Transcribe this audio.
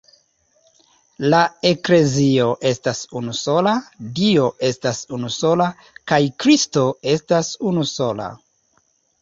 La Eklezio estas unusola, Dio estas unusola kaj Kristo estas unusola.